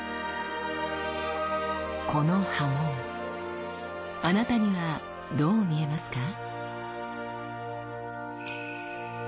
この刃文あなたにはどう見えますか？